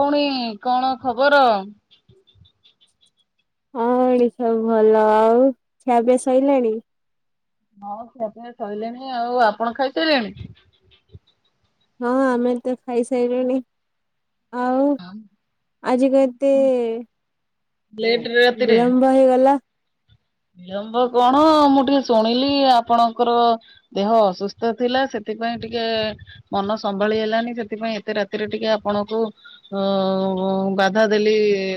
ପୁଣି କଣ ଖବର? ହଁ [unintelligible] ସବୁ ଭଲ। ଆଉ ଖିଆ ପିଆ ସଇଲାଣି? ହଁ ଖୀଆ ପିଆ ସରିଲାଣି ଆଉ, ଆପଣ ଖାଇସାରିଲେଣି? ହଁ ଆମେ ତ ଖାଇସାଇଲୁଣି, ଆଉ ଆଜିି କଣ ଏତେ ଲେଟରେ ରାତିରେ ବିଳମ୍ବ ହେଇଗଲା? ବିଳମ୍ବ କଣ ମୁଁ ଟିକେ ଶୁଣିଲି ଆପଣଙ୍କର ଦେହ ଅସୁସ୍ଥ ଥିଲା ସେଥିପାଇଁ ଟିକେ ମନ ସମ୍ଭାଳି ହେଲାନି, ସେଥିପାଇଁ ଏତେ ରାତିରେ ଟିକେ ଆପଣଙ୍କୁ ହଁ ବାଧା ଦେଲି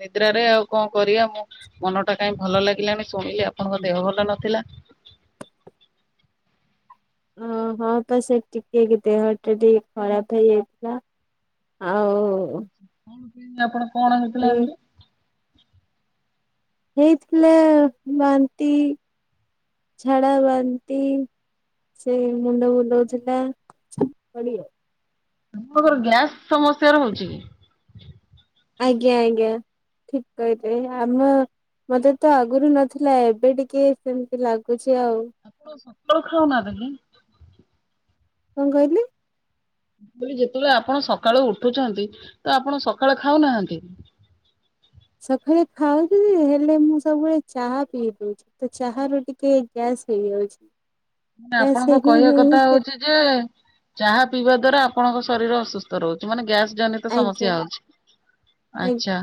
ନିଦ୍ରାରେ, ଆଉ କଣ କରିଆ ମୁଁ ମନଟା କାଇଁ ଭଲ ଲାଗିଲାନି, ଶୁଣିଲି ଆପଣଙ୍କ ଦେହ ଭଲ ନଥିଲା। ହଁ- ହଁ ପା ସେ ଟିକେ ଦେହଟା ଟିକେ ଖରାପ ହେଇଯାଇଥିଲା। ଆଉ କଣ ପାଇଁ ଆପଣ କଣ ହେଇଥିଲା ଏମିତି? ହେଇଥିଲା ବାନ୍ତି, ଝାଡ଼ା, ବାନ୍ତି ସେଇ ମୁଣ୍ଡ ବୁଲଉଥିଲା। [unintelligible] ଆପଣଙ୍କର ଗ୍ୟାସ ସମସ୍ୟା ରହୁଛି କି? ଆଜ୍ଞା ଆଜ୍ଞା ଠିକ୍ କହିଲେ। ଆମ ମତେ ତ ଆଗରୁ ନଥିଲା, ଏବେ ଟିକେ ସେମିତି ଲାଗୁଛି ଆଉ। ଆପଣ ସକାଳୁ ଖାଉନାହାନ୍ତି କି? କଣ କହିଲେ? ମୁଁ କହିଲି ଯେତେବେଳେ ଆପଣ ସକାଳୁ ଉଠୁଛନ୍ତି ତ ଆପଣ ସକାଳେ ଖାଉନାହାନ୍ତି? ସକାଳେ ଖାଉଚି ଯେ ହେଲେ ମୁଁ ସବୁବେଳେ ଚାହା ପିଇ ଦଉଚି। ତ ଚା ରୁ ଟିକେ ଗ୍ୟାସ୍ ହେଇଯାଉଚି। ମାନେ ଗ୍ୟାସ୍ ଆପଣଙ୍କ ହେଇ କହିବା ହେଇ କଥା ସେ ହଉଛି ଚାହା ପିଇବା ଦ୍ଵାରା ଆପଣଙ୍କ ଶରୀର ଅସୁ ସ୍ଥ ରହୁଚି। ମାନେ ଗ୍ୟାସ୍ ଜନିତ ସମସ୍ୟା ଆଜ୍ଞା ହଉଚି। ଆଚ୍ଛା। ଆଜ୍ଞା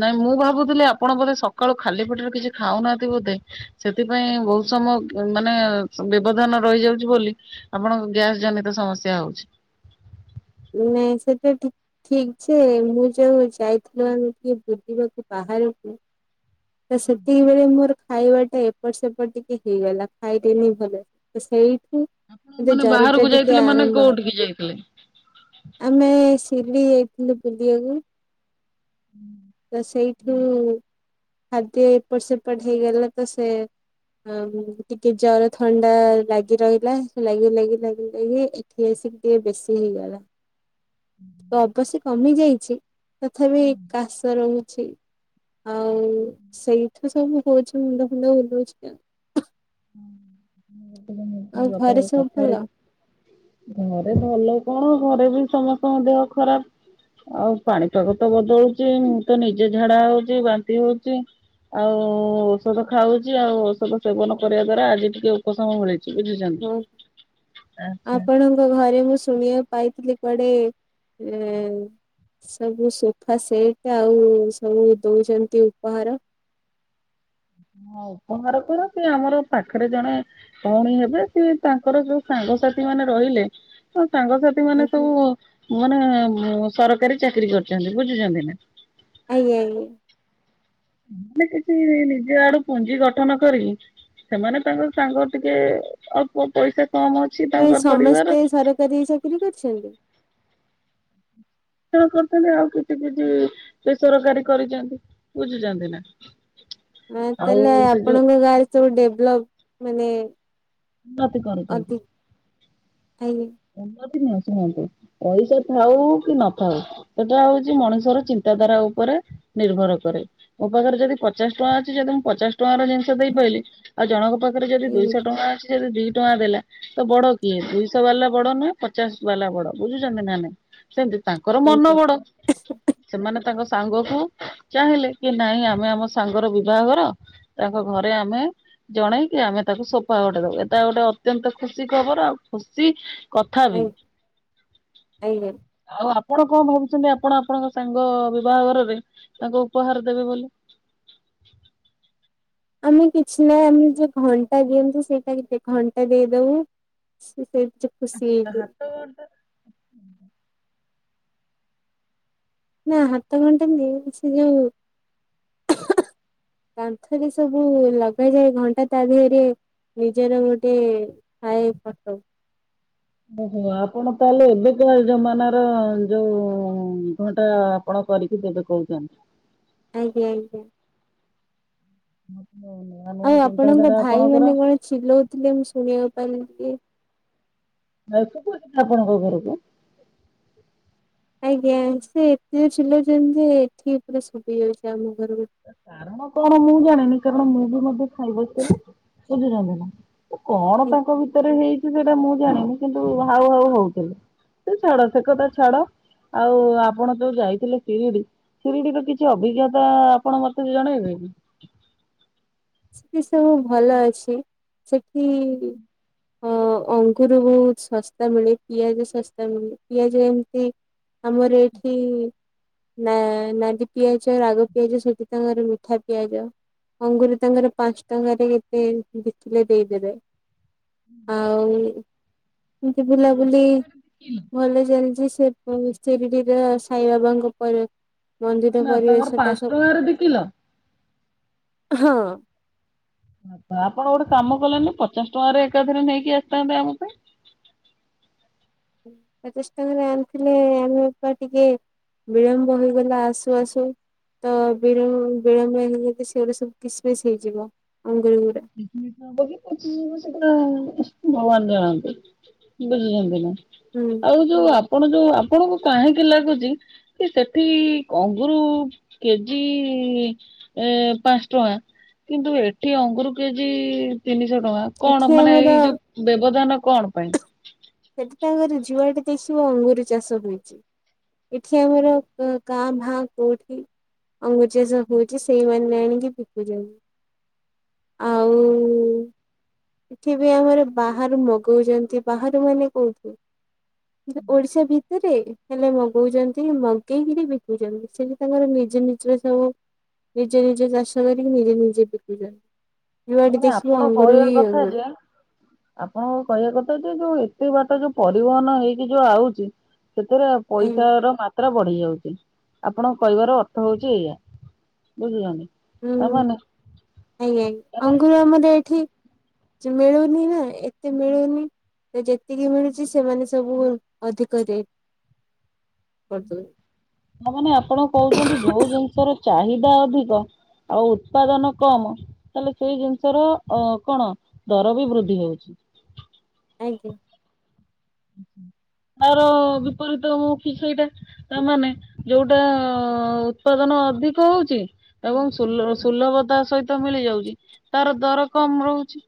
ନାଇଁ ମୁଁ ଭାବୁଥିଲି ଆପଣ ବୋଧେ ସକାଳୁ ଖାଲି ପେଟରେ କିଛି ଖାଉନାହାନ୍ତି ବୋଧେ। ସେଥିପାଇଁ ବହୁତ ସମୟ ମାନେ ବ୍ୟବଧାନ ରହିଯାଉଚି ବୋଲି ଆପଣଙ୍କ ଗ୍ୟାସ୍ ଜନିତ ସମସ୍ୟା ହଉଚି। ନାଇଁ ସେଟା ଠି ଠିକ୍ ଯେ ମୁଁ ଯୋଉ ଯାଇଥିଲୁ ଆମେ ଟିକେ ବୁଲିବାକୁ ବାହାରକୁ ତ ସେତିକି ବେଳେ ମୋର ଖାଇବା ଟା ଏପଟ ସପଟ ଟିକେ ହେଇଗଲା। ଖାଇଲେନି ଭଲ ରେ। ତ ସେଇଠି ମୋତେ ମାନେ ଜ୍ଵର ବାହାରକୁ ଟା ଟିକେ ଯାଇଥିଲେ ମାନେ ଆରମ୍ଭ [unintelligible] ଆମେ ଶିରିଡି ଯାଇଥିଲୁ ବୁଲିବାକୁ। ତ ସେଇଠି ଖାଦ୍ୟ ଏପଟ ସେପଟ ହେଇଗଲା ତ ସେ ଆ ଟିକେ ଜର ଥଣ୍ଡା ଲାଗି ରହିଲା। ସେ ଲାଗି ଲାଗି ଲାଗି ଲାଗି ଏଠି ଆସିକି ଟିକେ ବେଶି ହେଇଗଲା। ତ ଅବଶ୍ୟ କମି ଯାଇଚି। ତଥାପି କାଶ୍ ତ ରହୁଛି। ଆଉ ସେଇଠୁ ସବୁ ହଉଚି ମୁଣ୍ଡ ଫୁଣ୍ଡ ବୁଲଉଚି ଆଉ। ଆଉ ଘରେ ସବୁ ଭଲ [unintelligible] ଘରେ ଭଲ କଣ ଘରେ ବି ସମସ୍ତଙ୍କ ଦେହ ଖରାପ। ଆଉ ପାଣିପାଗ ତ ବଦଳୁଚି ମୁଁ ତ ନିଜେ ଝାଡା ହଉଚି ବାନ୍ତି ହଉଚି। ଆଉ ଔଷଧ ଖାଉଚି। ଆଉ ଔଷଧ ସେବନ କରିବା ଦ୍ଵାରା ଆଜି ଟିକେ ଉପଶମ ମିଳିଚି। ଆଚ୍ଛା। ଆପଣ ଘରେ ମୁଁ ଶୁଣିବାକୁ ପାଇଥିଲି କୁଆଡେ ଉଁ ସବୁ ସୋଫା ସେଟ୍ ଆଉ ସବୁ ଦଉଛନ୍ତି ଉପହାର। ହଁ ଉପହାର କଣ ସେଇ ଆମର ପାଖରେ ଜଣେ ଭଉଣୀ ହେବେ ସେ ତାଙ୍କର ଯୋଉ ସାଙ୍ଗସାଥି ମାନେ ରହିଲେ, ତ ସାଙ୍ଗସା ଥି ମାନେ ଆଜ୍ଞା ସବୁ ମାନେ ସରକାରୀ ଚାକିରୀ କରିଛନ୍ତି। ବୁଝୁଛନ୍ତି ନା? ଆଜ୍ଞା ଆଜ୍ଞା। ସେମାନେ କିଛି ନିଜ ଆଡୁ ପୁଞ୍ଜି ଗଠନ କରି ସେମାନେ ତାଙ୍କର ସାଙ୍ଗ ଟିକେ ଅଳ୍ପ ପଇସା କମ ଅ ନାଇଁ ସମସ୍ତେ ସରକାରୀ ଚାକିରି କରିଛନ୍ତି? [unintelligible] ଆଉ କିଛି କିଛି ବେସରକାରୀ କରିଛନ୍ତି। ବୁଝୁଛନ୍ତି ନା? ଆଉ ତାହେଲେ ସେ ଯୋଉ ଆପଣଙ୍କ ଗାଁରେ ସବୁ ଡେଭଲପ୍ ମାନେ ମତେ କରୁଚନ୍ତି। ଅଧିକ [unintelligible] ଉନ୍ନତି ନୁହଁ ଶୁଣନ୍ତୁ, ପଇସା ଥାଉ କି ନଥାଉ ସେଟା ହଉଚି ମଣିଷର ଚିନ୍ତାଧାରା ଉପରେ ନିର୍ଭର କରେ। ମୋ ପାଖରେ ଯଦି ପଚାଶ ଟଙ୍କା ଅଛି, ଯଦି ମୁଁ ପଚାଶ ଟଙ୍କାର ଜିନିଷ ଦେଇ ପାଇଲିି ଆଉ ଜଣଙ୍କ ପାଖରେ ଯଦି ଆଜ୍ଞା ଦୁଇଶହ ଟଙ୍କା ଅଛି ସେ ଦୁଇ ଟଙ୍କା ଦେଲା ତ ବଡ କିଏ ଦୁଇଶହ ବାଲା ବଡ ନୁହଁ ପଚାଶ ବାଲା ବଡ। ବୁଝୁଛନ୍ତି ନା ନାଇଁ? ସେମତି ତାଙ୍କର ମନ ଆଜ୍ଞା ବଡ। ସେମାନେ ତାଙ୍କ ସାଙ୍ଗକୁ ଚାହିଁଲେ କି ନାଇଁ ଆମେ ଆମ ସାଙ୍ଗର ବିବାଘର ତାଙ୍କ ଘରେ ଆମେ ଜଣେଇକି ଆମେ ତାକୁ ସୋଫା ଗୋଟେ ଦବୁ ଏଟା ଗୋଟେ ଅତ୍ୟନ୍ତ ଖୁସି ଖବର ଆଉ ଖୁସି କଥାବିି। ଆଜ୍ଞା ଆଜ୍ଞା। ଆଉ ଆପଣ କଣ ଭାବୁଛନ୍ତି ଆପଣ ଆପଣଙ୍କ ସାଙ୍ଗ ବିବାଘରରେ ତାଙ୍କୁ ଉପହାର ଦେବେ ବୋଲି। ଆମେ କିଛି ନାହିଁ ଆମେ ଯୋଉ ଘଣ୍ଟା ଦିଅନ୍ତି ସେଇଟା କେ ଘଣ୍ଟା ଦେଇଦବୁ। ସେ [unintelligible] ତା ହେଇଯିବେ ହାତ ନା ହାତ ଘଣ୍ଟା ନୁହେଁ ସେ ଯଉ [inaudible] କାନ୍ଥରେ ସବୁ ଲଗାଯାଏ ଘଣ୍ଟା ତା ଦେହରେ ନିଜର ଗୋଟେ ଥାଏ ଫଟୋ। ଓହୋ ଆପଣ ତାହେଲେ ଏବେକା ଯମାନାର ଯୋଉ ଘଣ୍ଟା କଣ କରିକି ଦେବେ କହୁଛନ୍ତି। ଆଜ୍ଞା ଆଜ୍ଞା। [inaudible] ଆଉ ଆପଣଙ୍କ ଚିନ୍ତାଧାରା ଭାଇ ଆପଣଙ୍କର। ମାନେ କଣ ଚିଲଉଥିଲେ ମୁଁ ଶୁଣିବାକୁ ପାରିଲି କି ନ କଛନ୍ତି ଆପଣଙ୍କ ଘରକୁ। ଆଜ୍ଞା ସେ ଏତେ ଜୋରେ ଚିଲୋଉଚନ୍ତି ଯେ ଏଠିକି ପୁରା ଶୁଭିଯାଉଛି ଆମ ଘରକୁ। କାରଣ କଣ ମୁଁ ଜାଣିନି କାରଣ ମୁଁ ବି ମଧ୍ୟ ଖାଇବା ପରେ ଖୋଜୁଛନ୍ତି ନା। କଣ ତାଙ୍କ ଭିତରେ ହେଇଛି ସେଇଟା ମୁଁ ଜାଣିନି କିନ୍ତୁ ହାଉ ହାଉ ହଉଥିଲେ। ହେ ଛାଡ଼ ସେ କଥା ଛାଡ଼। ଆଉ ଆପଣ ଯୋଉ ଯାଇଥିଲେ ଶିରିଡି ଶିରିଡିର କିଛି ଅଭିଜ୍ଞତା ଆପଣ ମତେ ବି ଜଣେଇବେ କି? ସେଠି ସବୁ ଭଲ ଅଛି ସେଠି ଅ ଅଙ୍ଗୁରୁ ବହୁତ ଶସ୍ତା ମିଳେ ପିଆଜ ଶସ୍ତା ମିଳେ ପିଆଜ ଏମିତି ଆମର ଏଇଠି ନା ନାଲି ପିଆଜ ରାଗ ପିଆଜ ସେଠି ତାଙ୍କର ମିଠା ପିଆଜ ଅଙ୍ଗୁରୁ ତାଙ୍କର ପାଞ୍ଚ ଟଙ୍କାରେ କେତେ ବିକିଲେ ଦେଇଦେବେ। ଆଉ ଏମିତି ବୁଲାବୁଲି ଭଲ ଚାଲିଛି ସେ ଶିରିଡିରେ ସାଇ ବାବାଙ୍କ ଉପରେ ନା ମନ୍ଦିର ନା ତାଙ୍କର ପରିବେଶଟା ପାଞ୍ଚ ସବୁ ଟଙ୍କାରେ ଦି କିଲୋ। ହଁ। ଆ ଆପଣ ଗୋଟେ କାମ କଲେନି ପଚାଶ ଟଙ୍କାରେ ଏକାଥରେ ନେଇକି ଆସିଥାନ୍ତେ ଆମ ପାଇଁ। ପଚାଶଟଙ୍କାରେ ଆଣିଥିଲେ ଆମେ ବା ଟିକେ ବିଳମ୍ବ ହେଇଗଲା ଆସୁ ଆସୁ। ତ ବିଳ ବିଳମ୍ବ ହେଇଗଲେ ସେଇଗୁଡ଼ା ସବୁ କିସମୀସ୍ ହେଇଯିବ ଅଙ୍ଗୁରୁଗୁଡା। ବ ସୋ ପଚିଯିବ ସେଗୁଡା ଭଗବାନ ଜାଣନ୍ତି ବୁଝୁଚନ୍ତି ନା। ହୁଁ। ଆଉ ଯୋଉ ଆପଣ ଯୋଉ ଆପଣଙ୍କୁ କାହିଁକି ଲାଗୁଛି କି ସେଠି ଅଙ୍ଗୁରୁ କେଜି ଏ ପାଞ୍ଚଟଙ୍କା କିନ୍ତୁ ଏଠି ଅଙ୍ଗୁର କେଜି ତିନିଶହଟଙ୍କା। କଣ ଏଠି ମାନେ ଏଇ ଆମର ଯୋଉ ବ୍ୟବଧାନ କଣ ପାଇଁ? ସେଠି ତ ଆମର ଯୁଆଡେ ଦିସିବ ଅଙ୍ଗୁର ଚାଷ ହୋଉଛି ଏଠି ଆମର କାଁ ଭାଁ କୋଉଠି ଅଙ୍ଗୁରୁଚାଷ ହଉଛି ସେଇମାନେ ଆଣିକି ବିକୁଛନ୍ତି। ଆଉ [inaudible] ଏଠି ବି ଆମର ବାହାରୁ ମଗୋଉଛନ୍ତି ବାହାରୁ ମାନେ କୋଉଠୁ? ଓଡିଶା ଭିତରେ? ହେଲେ ମଗଉଛନ୍ତି ମଗେଇକିରି ବିକୁଛନ୍ତି ସେଠି ତାଙ୍କର ନିଜ ନିଜର ସବୁ ନିଜେ ନିଜେ ଚାଷ କରିକି ନିଜେ ନିଜେ ବିକୁଚନୀ ଯୁଆଡେ ମାନେ ଦେଖିବୁ ଆପଣ ଅଙ୍ଗୁରୁ କହିବା ହି କଥା ଅଙ୍ଗୁର। ଯେ ଆପଣଙ୍କ କହିବା କଥା ଯେ ଯୋଉ ଏତେ ବାଟ ଯୋଉ ପରିବହନ ହେଇକି ଯୋଉ ଆଉଛି। ସେଥିରେ ଆଜ୍ଞା ପଇସାର ମା ମାତ୍ରା ବଢିଯାଉଛି ଆପଣଙ୍କ କହିବାର ଅର୍ଥ ହଉଛି ଏଇଆ ବୁଝୁଛନ୍ତି। ହୁଁ ତାମାନେ ଆଜ୍ଞା ତାମାନେ ଅଙ୍ଗୁର ଆମର ଏଠି ମିଳୁନି ନା ଏତେ ମିଳୁନି ଯେତିକି ମିଳୁଛି ସେମାନେ ସବୁ ଅଧିକ ରେଟ୍ କରିଦୋ ହ ମାନେ ଆପଣ କହୁଛନ୍ତି ଯୋଉ ଜିନିଷର ଚାହିଦା ଅଧିକ ଆଉ ଉତ୍ପାଦନ କମ। ତାହେଲେ ସେଇ ଜିନିଷର ଅ କଣ ଦର ବି ବୃଦ୍ଧି ହଉଛି। ଆଜ୍ଞା। ତାର ବିପରୀତ ମୁ କି ସେଇଟା ତା ମାନେ ଯୋଉଟା ଆଁ ଉତ୍ପାଦନ ଅଧିକ ହଉଛି ଏବଂ ସୁଲ ସୁଲଭତା ସହିତ ମିଳିଯାଉଛି। ତାର ଦର କମ ରହୁଛି।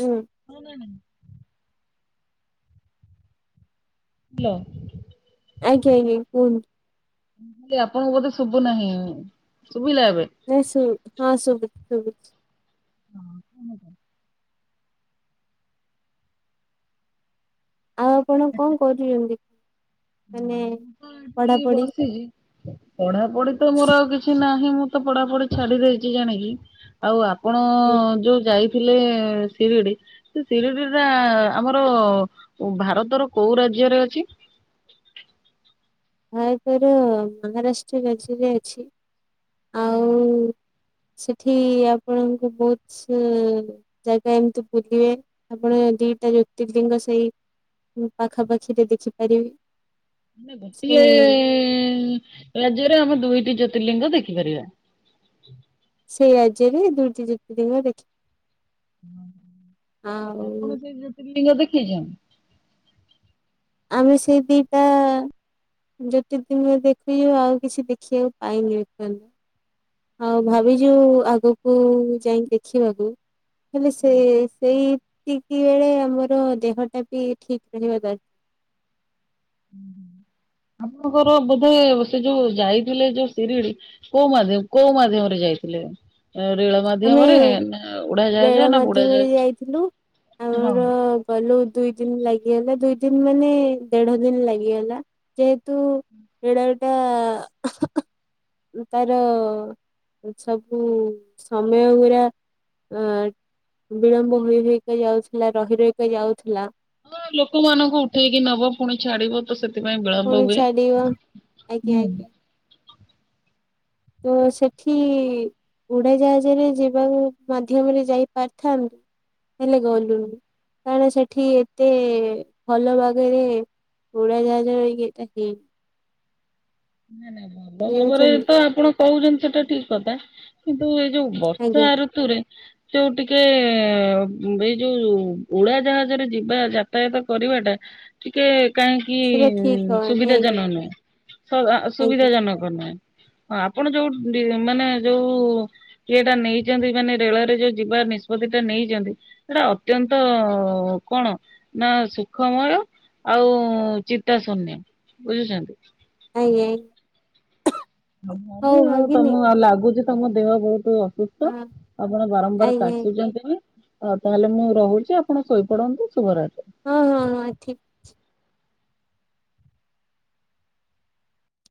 ହୁଁ। ହୁଁ ନା ନାହିଁ? ହ୍ୟାଲୋ। ଆଜ୍ଞା ଆଜ୍ଞା କୁହନ୍ତୁ। ଆପଣଙ୍କୁ ବୋଧେ ଶୁଭୁ ନାହିଁ। ଶୁଭିଲା ଏବେ? ନାଇଁ ଶୁ ହଁ ସୁବୁଚି ଶୁଭୁଚି। ହଁ କଣ ଏଇଟା? ଆଉ ଆପଣ କଣ କରୁଛନ୍ତି? ମାନେ ମୁଁ ତ ଏଠି ପଢାପଢି ବସିଛି। ପଢାପଢି ତ ମୋର ଆଉ କିଛି ନାହିଁ ମୁଁ ତ ପଢାପଢି ଛାଡି ଦେଇଛି ଜାଣିକି। ଆଉ ଆପଣ ଯୋଉ ଯାଇଥିଲେ ସିରିଡି। ସେ ସିରିଡି ଟା ଆମର ଭାରତର କୋଉ ରାଜ୍ୟରେ ଅଛି? ଭାରତର ମହାରାଷ୍ଟ୍ର ରାଜ୍ୟରେ ଅଛି। ହୁଁ। ଆଉ ସେଠି ଆପଣଙ୍କୁ ବହୁତ ଜାଗା ଏମିତି ବୁଲିବେ ଆପଣ ଦିଟା ଜ୍ୟୋତିର୍ଲିିଙ୍ଗ ସେଇ ମୁଁ ପାଖା ପାଖିରେ ଦେଖିପାରିବି। ଗୋଟିଏ ରାଜ୍ୟରେ ଆମେ ଦୁଇଟି ଜ୍ୟୋତିର୍ଲିଙ୍ଗ ଦେଖିପାରିବା। ସେଇ ରାଜ୍ୟରେ ଦୁଇଟି ଜ୍ୟୋତିର୍ଲିଙ୍ଗ ଦେଖ ଆପଣ ଆଉ ସେ ଜ୍ୟୋତିର୍ଲିଙ୍ଗ ଦେଖିଚନ୍ତୀ? ଆମେ ସେ ଦିଟା ଜ୍ୟୋତିର୍ଲିଙ୍ଗ ଦେଖିଲୁ ଆଉ କିଛି ଦେଖିବାକୁ ପାଇନୁ [unintelligible] ଆଉ ଭାବିଛୁ ଆଗକୁ ଯାଇକି ଦେଖିବାକୁ। ହେଲେ ସେ ସେଇତିକି ବେଳେ ଆମର ଦେହଟା ବି ଠିକ ରହିବା ଦରକାର। ଆପଣଙ୍କର ବୋଧେ ସେ ଯୋଉ ଯାଇଥିଲେ ଯୋଉ ସିରିଡି। କୋଉ ମାଧ୍ୟ କୋଉ ମାଧ୍ୟମରେ ଯାଇଥିଲେ ରେଳ ମାଧ୍ୟମରେ ଆମେ ନା ଉଡାଜାହାଜ ରେଳ ନା ମାଧ୍ୟମରେ ବୁଡାଜାହାଜ ଯାଇଥିଲୁ। ହଁ। ଆମର ଗଲୁ ଦୁଇ ଦିନ ଲାଗିଗଲା ଦୁଇ ଦିନ ମାନେ ଦେଢ ଦିନ ଲାଗିଗଲା। ଯେହେତୁ [unintelligible] ତାର ସବୁ ସମୟ ଗୁଡ଼ା ର। ଅ ବିଳମ୍ବ ହୋଇ ହେଇକି ଯାଉଥିଲା ରହି ରହିକ ଯାଉଥିଲା। ହଁ ଲୋକମାନଙ୍କୁ ଉଠେଇକି ନବ ପୁଣି ଛାଡିବ। ତ ସେଥିପାଇଁ ବିଳମ୍ବ ପୁଣି ହୁଏ ଛାଡିବ ଆଜ୍ଞା ହୁଁ। ଆଜ୍ଞା ତ ସେଠି। ଉଡ଼ାଜାହାଜରେ ଯିବାକୁ ମାଧ୍ୟମରେ ଯାଇପାରିଥାନ୍ତୁ ହେଲେ ଗଲୁନି। କାରଣ ସେଠି ଏତେ ଭଲ ଭାବରେ ଉଡାଜାହାଜ ହେଇ କି ହେଇ। ନାଇଁ ନାଇ ଭଲ ଭାବରେ ବୁଝିପାରୁଛନ୍ତି ତ ଆପଣ କହୁଛନ୍ତି ସେଟା ଠିକ କଥା କିନ୍ତୁ ଯୋଉ ବର୍ଷା ଆଜ୍ଞା। ଋତୁରେ ଯୋଉ ଟିକେ ଏଇ ଯୋଉ ଉଡାଜାହାଜରେ ଯିବା ଯାତାୟାତ କରିବାଟା ଟିକେ କାହିଁକି ସେଟା ଠିକ ହବନି ସୁବିଧା ଆଜ୍ଞା ଜନକ ନୁହେଁ। ସୁବିଧା ଆଜ୍ଞା ଜନକ ନୁହେଁ ହଁ ଆପଣ ଯୋଉ ମାନେ ଯୋଉ କିଏଟା ନେଇଛନ୍ତି ମାନେ ରେଳରେ ଯୋଉ ଯିବ ନିଷ୍ପତି ଟା ନେଇଛନ୍ତି। ସେଇଟା ଅତ୍ୟନ୍ତ କଣ ନା ସୁଖମୟ। ଆଉ ଚିତା ଶୂନ୍ୟ ବୁଝୁଛନ୍ତି। ଆଜ୍ଞା। ହ ହଉ ଆଉ ଭାଗିନି ତମ ଆଉ ଲାଗୁଛି ତମ ଦେହ ବହୁତ ଅସୁସ୍ଥ। ହଁ ତ ଆପଣ ବାରମ୍ବାର ଆଜ୍ଞା ଆଜ୍ଞା କାଶୁଛନ୍ତି ବି ଆ ତାହେଲେ ମୁଁ ରହୁଛି ଆପଣ ଶୋଇପଡନ୍ତୁ ଶୁଭରାତ୍ରି ହଁ ହଁ ହଁ ଠିକ।